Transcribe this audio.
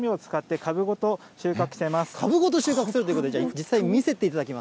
株ごと収穫するということで、実際見せていただきます。